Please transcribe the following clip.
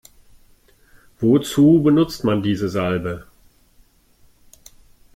Wozu benutzt man diese Salbe?